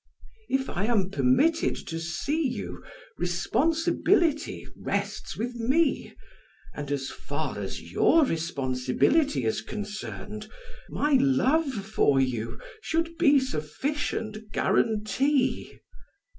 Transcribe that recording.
If I am permitted to see you, responsibility rests with me, and as far as your responsibility is concerned, my love for you should be sufficient guarantee."